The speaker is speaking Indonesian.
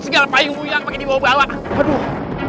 segala payung yang di bawah bawah